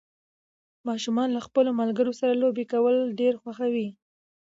ماشومان له خپلو ملګرو سره لوبې کول ډېر خوښوي